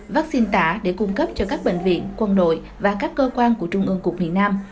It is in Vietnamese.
vaccine tả để cung cấp cho các bệnh viện quân đội và các cơ quan của trung ương cục miền nam